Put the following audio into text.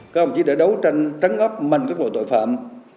các ông chỉ đã đấu tranh trắng ấp măn các loại tội phạm